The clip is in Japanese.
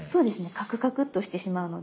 カクカクっとしてしまうので。